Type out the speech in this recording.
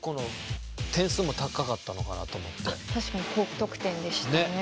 確かに高得点でしたね。